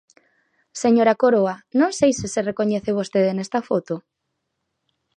Señora Coroa, ¿non sei se se recoñece vostede nesta foto?